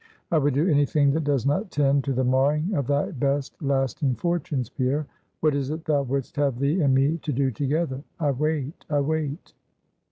"I would do any thing that does not tend to the marring of thy best lasting fortunes, Pierre. What is it thou wouldst have thee and me to do together? I wait; I wait!"